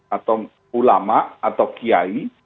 atau ulama atau kiai